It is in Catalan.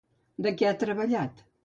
De què ha treballat?